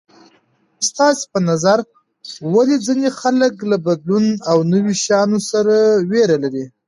ستاسې په نظر ولې ځینې خلک له بدلون او نوي شیانو سره ویره لري